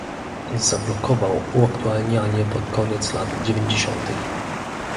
Zablokował uaktualnianie pod koniec lat dziewięćdziesiątych